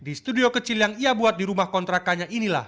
di studio kecil yang ia buat di rumah kontrakannya inilah